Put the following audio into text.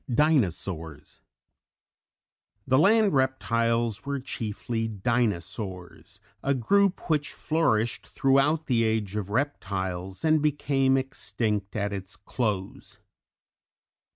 Dinosaurs. The land reptiles were chiefly Dinosaurs, a group which flourished throughout the Age of Reptiles and became extinct at its close.